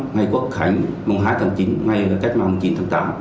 ngày quốc khánh hai tháng chín ngày kết mạng chín tháng tám